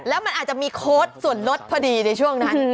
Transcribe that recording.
แล้วมันอาจจะมีโค้ดส่วนลดพอดีในช่วงนั้น